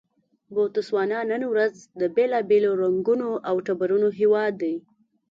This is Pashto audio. بوتسوانا نن ورځ د بېلابېلو رنګونو او ټبرونو هېواد دی.